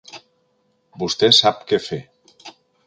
Vostè sap què fer.